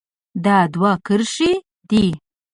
دا دوه کرښې دي.